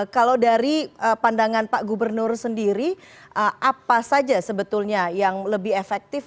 kalau dari pandangan pak gubernur sendiri apa saja sebetulnya yang lebih efektif